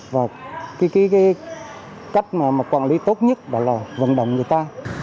và cách quản lý tốt nhất là vận động người ta